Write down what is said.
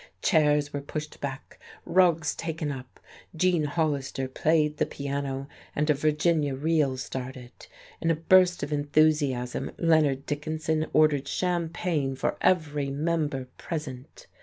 Chairs were pushed back, rugs taken up, Gene Hollister played the piano and a Virginia reel started; in a burst of enthusiasm Leonard Dickinson ordered champagne for every member present.